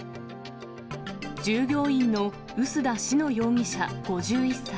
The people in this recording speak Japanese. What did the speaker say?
従業員の臼田信乃容疑者５１歳。